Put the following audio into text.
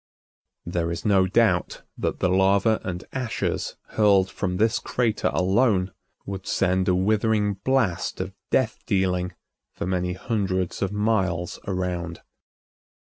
There is no doubt that the lava and ashes hurled from this crater alone would send a withering blast of death dealing for many hundreds of miles around.